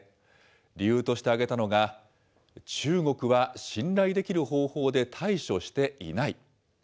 理由として挙げたのが、中国は信頼できる方法で対処していない。